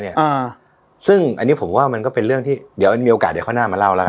ลอกเออซึ่งอันนี้ผมว่ามันก็เป็นเรื่องที่เดี๋ยวมีโอกาสเดี๋ยวข้างหน้ามาเล่ากัน